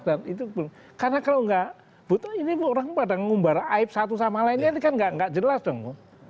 dan itu karena kalau nggak ini orang pada ngumbar aib satu sama lainnya ini kan nggak jelas dong